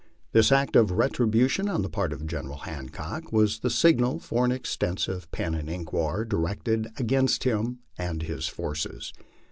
This act of retribution on the part of General Hancock was the signal for an extensive pen and ink war, directed against him and his forces.